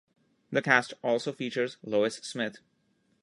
The cast also features Lois Smith.